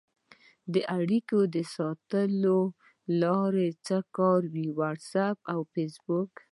د اړیکې د ساتلو لاره څه کاروئ؟ واټساپ او فیسبوک